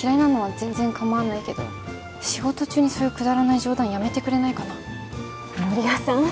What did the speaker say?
嫌いなのは全然構わないけど仕事中にそういうくだらない冗談やめてくれないかな守屋さん